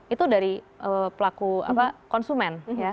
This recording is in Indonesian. itu dari pelaku konsumen